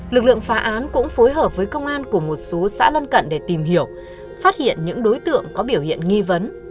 lực lượng phá án cũng phối hợp với công an của một số xã lân cận để tìm hiểu phát hiện những đối tượng có biểu hiện nghi vấn